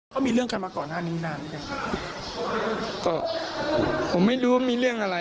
ผมไม่รู้ว่ามีเรื่องอะไร